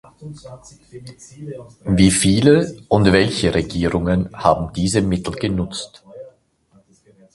Wie viele und welche Regierungen haben diese Mittel genutzt?